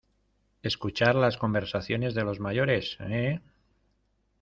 escuchar las conversaciones de los mayores? ¿ eh ?